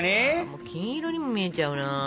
もう金色にも見えちゃうな。